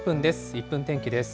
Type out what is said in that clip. １分天気です。